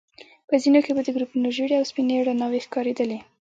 په ځينو کې به د ګروپونو ژيړې او سپينې رڼاوي ښکارېدلې.